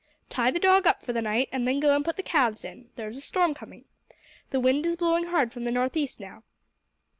Tie the dog up for the night and then go and put the calves in. There is a storm coming. The wind is blowing hard from the northeast now."